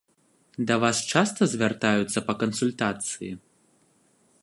Да вас часта звяртаюцца па кансультацыі?